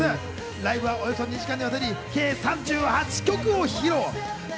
ライブはおよそ２時間にわたり計３８曲を披露。